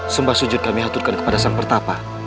sumpah sujud kami haturkan kepada sang pertapa